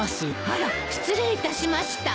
あら失礼いたしました。